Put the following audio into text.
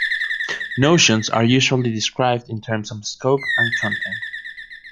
Notions are usually described in terms of scope and content.